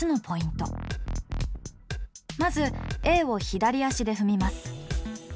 まずＡを左足で踏みます。